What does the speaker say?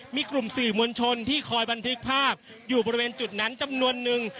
มีกลุ่มสื่อมวลชนที่คอยบันทึกภาพอยู่บริเวณจุดนั้นจำนวนนึง